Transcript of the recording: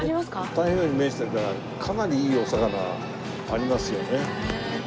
太平洋に面してるからかなりいいお魚ありますよね。